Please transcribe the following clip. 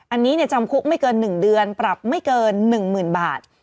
อันนี้จำคุกไม่เกิน๑เดือนปรับไม่เกิน๑๐๐๐บาท